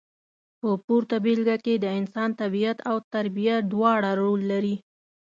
په پورته بېلګه کې د انسان طبیعت او تربیه دواړه رول لري.